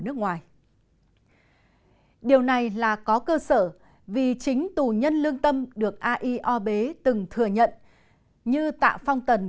nước ngoài điều này là có cơ sở vì chính tù nhân lương tâm được aiob từng thừa nhận như tạ phong tần